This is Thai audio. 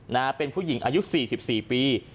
นะฮะเป็นผู้หญิงอายุ๔๔ปี